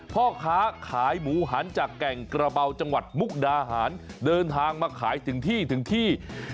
พ่อค้าขายหมูหันจากแก่งกระเบาจังหวัดมุกดาหารเดินทางมาขายถึงที่ถึงที่